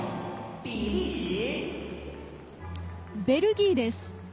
ベルギーです。